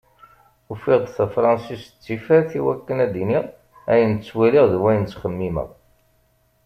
Ufiɣ-d tafransist d tifrat i wakken ad d-iniɣ ayen ttwaliɣ d wayen txemmimeɣ.